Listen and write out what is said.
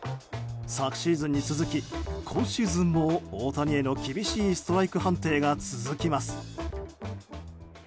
昨シーズンに続き今シーズンも大谷への厳しいストライク判定が続きます。